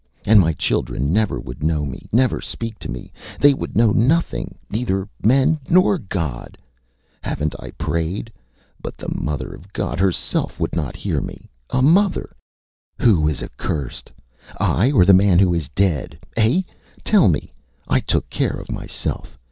And my children never would know me, never speak to me. They would know nothing; neither men nor God. HavenÂt I prayed! But the Mother of God herself would not hear me. A mother! ... Who is accursed I, or the man who is dead? Eh? Tell me. I took care of myself.